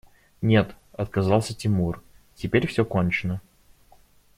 – Нет, – отказался Тимур, – теперь все кончено.